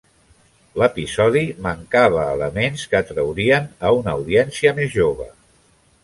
L'episodi mancava elements que atraurien a una audiència més jove.